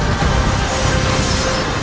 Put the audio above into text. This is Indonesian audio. aku akan menang